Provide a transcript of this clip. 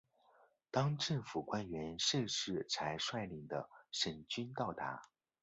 当政府官员盛世才率领的省军到达。